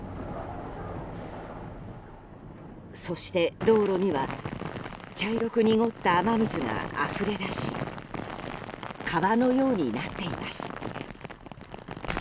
そして道路には茶色く濁った雨水があふれ出し川のようになっています。